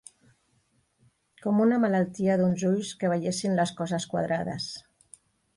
Com una malaltia d'uns ulls que veiessin les coses quadrades.